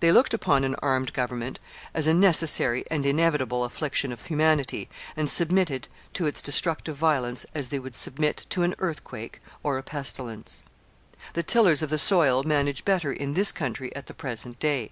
They looked upon an armed government as a necessary and inevitable affliction of humanity, and submitted to its destructive violence as they would submit to an earthquake or a pestilence. The tillers of the soil manage better in this country at the present day.